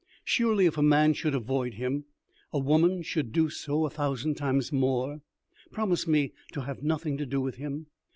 Surely if a man should avoid him, a woman should do so a thousand times more. Promise me to have nothing to do with him.